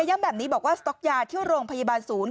ย้ำแบบนี้บอกว่าสต๊อกยาที่โรงพยาบาลศูนย์